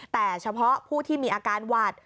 แต่เฉพาะผู้ที่มีอาการหวัด